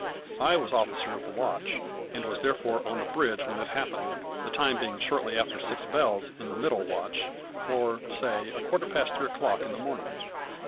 I was officer of the watch, and was therefore on the bridge when it happened, the time being shortly after six bells in the middle watch, or say about a quarter past three o'clock in the morning.